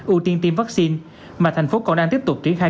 ưu tiên tiêm vaccine mà thành phố còn đang tiếp tục triển khai